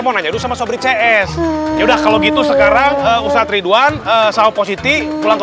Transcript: mau nanya sama sobrit cs yaudah kalau gitu sekarang ustadz ridwan sahab positi pulang ke